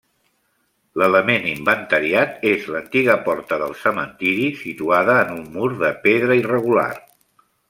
L'element inventariat és l'antiga porta del cementiri, situada en un mur de pedra irregular.